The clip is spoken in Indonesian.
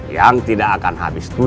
yang tidak akan habis